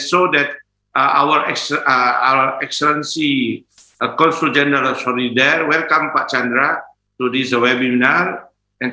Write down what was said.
karena saya melihat tuan tuan keputusan selamat datang pak chandra di webinar ini